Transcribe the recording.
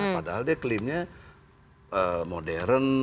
padahal dia klaimnya modern